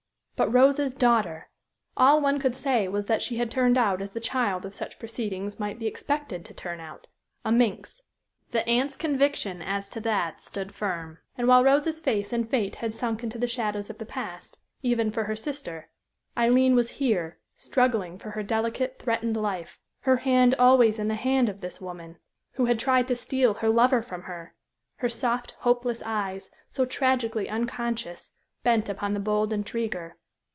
But Rose's daughter! All one could say was that she had turned out as the child of such proceedings might be expected to turn out a minx. The aunt's conviction as to that stood firm. And while Rose's face and fate had sunk into the shadows of the past, even for her sister, Aileen was here, struggling for her delicate, threatened life, her hand always in the hand of this woman who had tried to steal her lover from her, her soft, hopeless eyes, so tragically unconscious, bent upon the bold intriguer.